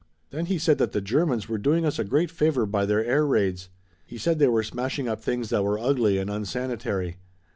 Then he said that the Germans were doing us a great favor by their air raids. He said they were smashing up things that were ugly and unsanitary.